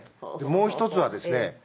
もう一つはですね